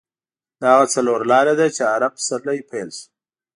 دا هغه څلور لارې ده چې عرب پسرلی پیل شو.